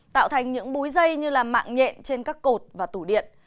tạo thành những búi dây như là mạng nhện trên các cột và tủ điện